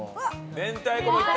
明太子もいった！